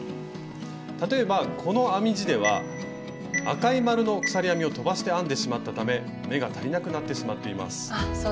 例えばこの編み地では赤い丸の鎖編みをとばして編んでしまったため目が足りなくなってしまっています。